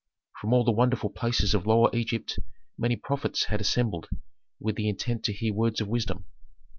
From all the wonderful places of Lower Egypt many prophets had assembled with the intent to hear words of wisdom.